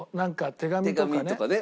手紙とかね。